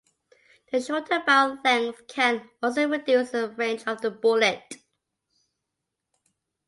The shorter barrel length can also reduce the range of a bullet.